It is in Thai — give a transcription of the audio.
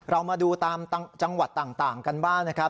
เรามาดูตามจังหวัดต่างกันบ้างนะครับ